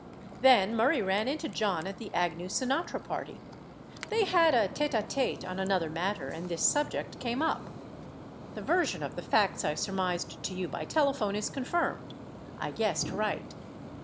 Then Murray ran into John at the Agnew Sinatra party. They had a tete a tete on another matter and this subject came up. The version of the facts I surmised to you by telephone is confirmed. I guessed "right."